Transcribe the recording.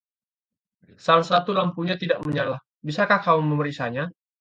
Salah satu lampunya tidak menyala. Bisakah kau memeriksanya?